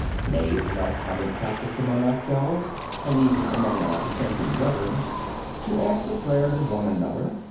Nay, is it not a common practice among ourselves, and even among our dissenting brethren, to ask the prayers of one another?